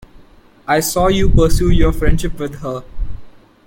I saw you pursue your friendship with her.